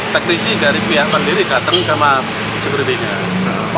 teknisi dari pihak mandiri kateng sama sepertinya